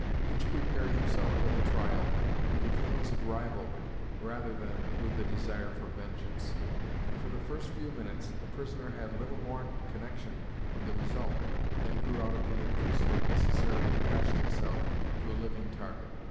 Each prepared himself for the trial with the feelings of rivalry, rather than with the desire for vengeance, and, for the first few minutes, the prisoner had little more connection with the result, than grew out of the interest that necessarily attached itself to a living target.